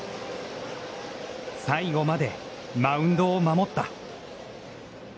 最後までマウンドを守った。